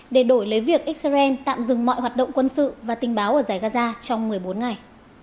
để đổi lấy việc xrn tạm dừng mọi hoạt động quân sự và tình báo ở giải gaza trong một mươi bốn ngày